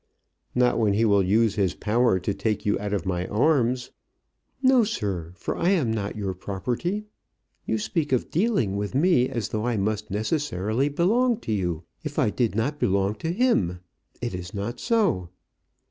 "Not when he will use his power to take you out of my arms." "No, sir; for I am not your property. You speak of dealing with me, as though I must necessarily belong to you if I did not belong to him. It is not so."